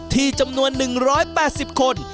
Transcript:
ที่จำนวน๑๘๓คน